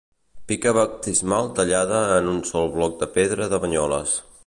Pica baptismal tallada en un sol bloc de pedra de Banyoles.